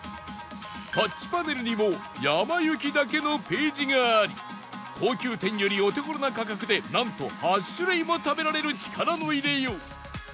タッチパネルにもやま幸だけのページがあり高級店よりお手頃な価格でなんと８種類も食べられる力の入れよう